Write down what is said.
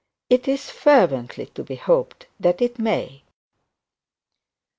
It is fervently to be hoped that it may.